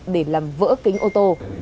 để làm vỡ kính ô tô